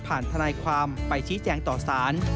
ทนายความไปชี้แจงต่อสาร